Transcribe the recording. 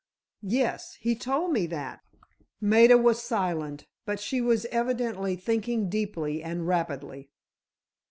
"Yes, he told me that." Maida was silent, but she was evidently thinking deeply and rapidly.